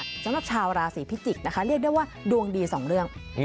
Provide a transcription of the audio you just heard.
สำหรับชาวราศีพิจิกษ์นะคะเรียกได้ว่าดวงดีสองเรื่อง